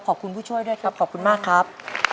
ผู้ช่วยด้วยครับขอบคุณมากครับ